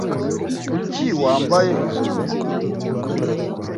Kuki wambaye izo nkweto?